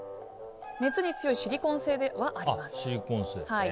熱に強いシリコン製ではあります。